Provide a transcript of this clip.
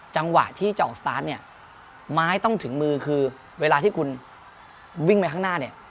จังหวะที่จะออกสตาร์ทเนี่ยไม้ต้องถึงมือคือเวลาที่คุณวิ่งไปข้างหน้าเนี่ย